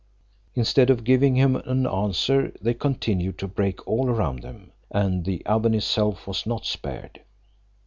Instead of giving him an answer, they continued to break all round them, and the oven itself was not spared.